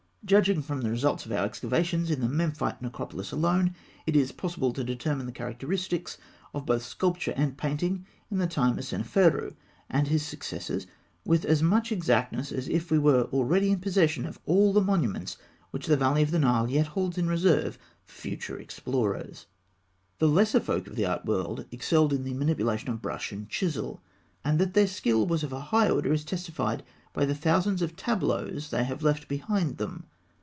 Judging from the results of our excavations in the Memphite necropolis alone, it is possible to determine the characteristics of both sculpture and painting in the time of Seneferû and his successors with as much exactness as if we were already in possession of all the monuments which the valley of the Nile yet holds in reserve for future explorers. [Illustration: Fig. 184. Panel from tomb of Hesi.] The lesser folk of the art world excelled in the manipulation of brush and chisel, and that their skill was of a high order is testified by the thousands of tableaux they have left behind them.